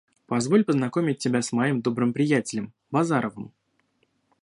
Позволь познакомить тебя с моим добрым приятелем, Базаровым